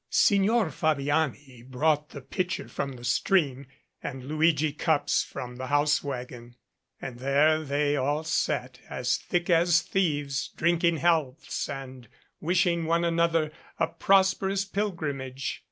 Signor Fabiani brought the pitcher from the stream and Luigi cups from the house wagon, and there they all sat, as thick as thieves, drinking healths and wishing one another a pros perous pilgrimage.